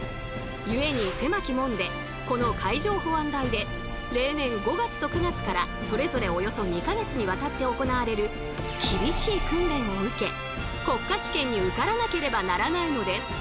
故に狭き門でこの海上保安大で例年５月と９月からそれぞれおよそ２か月にわたって行われる厳しい訓練を受け国家試験に受からなければならないのです。